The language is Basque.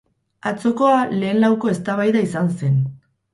Atzokoa lehen lauko eztabaida izan zen.